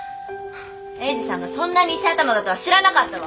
英治さんがそんなに石頭だとは知らなかったわ。